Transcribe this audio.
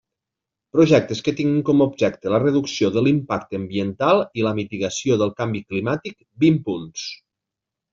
Projectes que tinguin com objecte la reducció de l'impacte ambiental i la mitigació del canvi climàtic, vint punts.